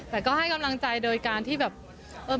แต่ก็ให้กำลังใจโดยการที่แบบ